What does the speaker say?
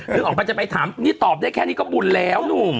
ออกไปจะไปถามนี่ตอบได้แค่นี้ก็บุญแล้วหนุ่ม